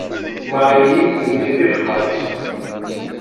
Marie tendi tifxet.